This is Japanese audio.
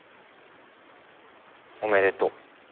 おめでと。